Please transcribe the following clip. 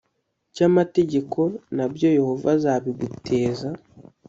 cy’amategeko, na byo Yehova azabiguteza